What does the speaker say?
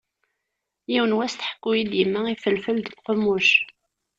Yiwen n wass tḥukki-yi yemma ifelfel deg uqemmuc.